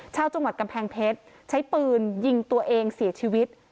ชาวจังหวัดกำแพงเพชรใช้ปืนยิงตัวเองเสียชีวิต